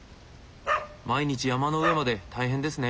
毎日山の上まで大変ですね。